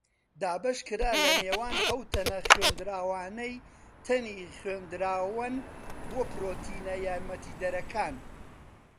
دابەشکرا لە نێوان ئەو تەنە خوێندراوانەی تەنی خوێندراوەن بۆ پڕۆتیەنە یارمەتیدەرەکان.